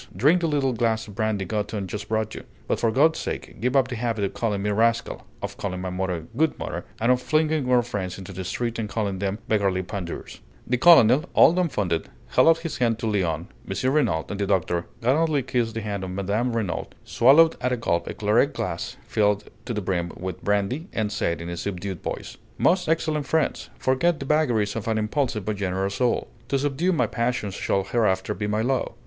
Drink the little glass of brandy Gothon just brought you; but for God's sake give up the habit of calling me rascal, of calling my mother 'Good Mother,' and of flinging our friends into the street and calling them beggarly pandours!" The colonel, all dumbfounded, held out his hand to Léon, M. Renault, and the doctor, gallantly kissed the hand of Mme. Renault, swallowed at a gulp a claret glass filled to the brim with brandy, and said, in a subdued voice: "Most excellent friends, forget the vagaries of an impulsive but generous soul. To subdue my passions shall hereafter be my law.